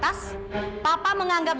tidak mungkin dong